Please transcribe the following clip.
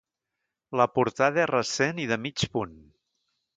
La portada és recent i de mig punt.